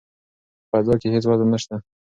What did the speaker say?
په فضا کې هیڅ وزن نشته.